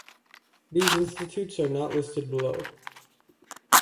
These institutes are not listed below.